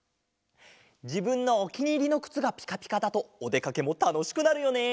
じぶんのおきにいりのくつがピカピカだとおでかけもたのしくなるよね！